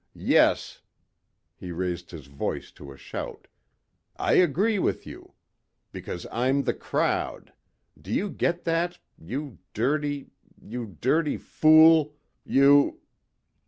Yes," he raised his voice to a shout, "I agree with you. Because I'm the crowd. Do you get that ... you dirty ... you dirty fool ... you...."